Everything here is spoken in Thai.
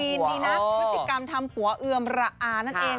ดีนะพฤติกรรมทำหัวเอือมระอานั่นเอง